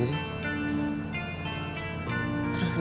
tante ayu lumpuh sekarang